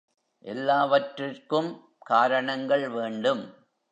எல்லாவற்றுக்கும் காரணங்கள் வேண்டும்.